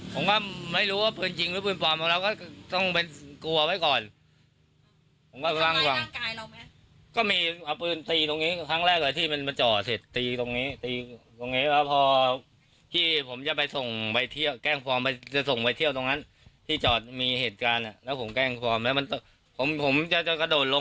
ผมก็ไม่รู้ว่าพื้นจริงหรือพื้นฟรานบางครั้งแล้วก็ต้องกลัวไว้ก่อน